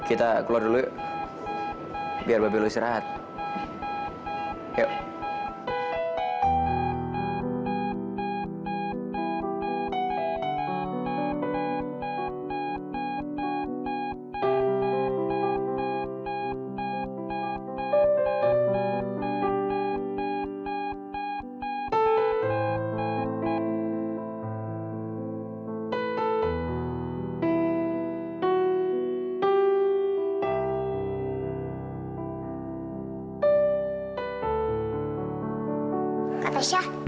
apa kesembuhan ayah lo